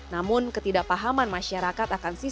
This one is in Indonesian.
namun ketidakpahaman masyarakat akan sistem